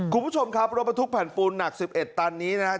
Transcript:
คุณผู้ชมครับรถบรรทุกแผ่นปูนหนัก๑๑ตันนี้นะครับ